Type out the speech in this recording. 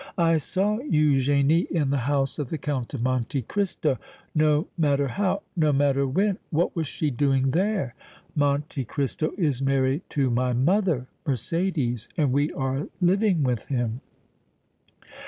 "I saw Eugénie in the house of the Count of Monte Cristo, no matter how, no matter when. What was she doing there?" "Monte Cristo is married to my mother, Mercédès, and we are living with him."